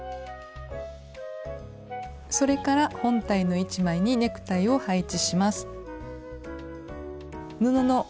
それから本体の１枚にネクタイを配置します。